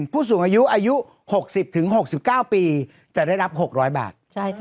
ผู้สูงอายุอายุ๖๐๖๙ปีจะได้รับ๖๐๐บาท